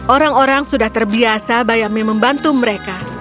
orang orang sudah terbiasa bayame membantu mereka